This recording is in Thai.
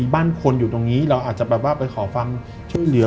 บ้านคนอยู่ตรงนี้เราอาจจะแบบว่าไปขอความช่วยเหลือ